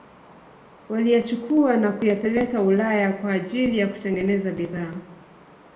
waliyachukua na kuyapeleka Ulaya kwa ajili ya kutengeneza bidhaa